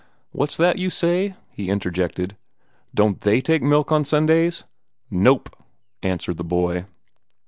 "What's that you say?" he interjected. "Don't THEY take milk on Sundays?" "Nope!" answered the boy.